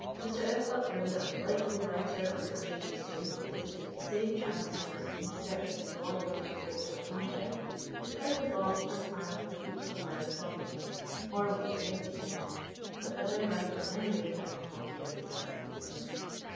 Mr. F. Buckland that delightful writer on natural history, who visited the same charnel house in his search for the body of the great John Hunter, describes the vaults as piled with heaps of leaden coffins, horrible to every sense; but as I write from memory, I will not give the ghastly details.